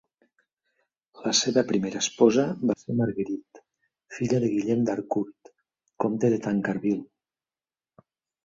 La seva primera esposa va ser Marguerite, filla de Guillem d'Harcourt, comte de Tancarville.